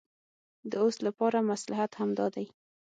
د اوس لپاره مصلحت همدا دی.